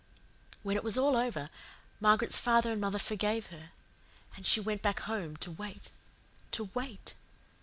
"When it was all over, Margaret's father and mother forgave her, and she went back home to wait to WAIT.